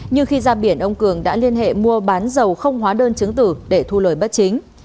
nhưng khi ra biển ông cường đã liên hệ mua bán dầu không hóa đơn chứng tử để thu lời bất chính